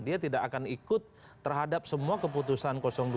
dia tidak akan ikut terhadap semua keputusan dua